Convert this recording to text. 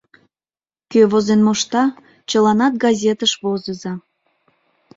Кӧ возен мошта, чыланат газетыш возыза.